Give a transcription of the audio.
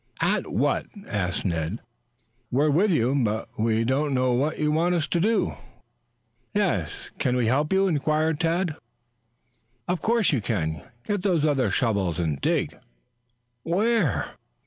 "At what?" asked Ned. "We're with you, but we don't know what you want us to do." "Yes; can we help you?" inquired Tad. "Of course you can. Get those other shovels and dig." "Where?"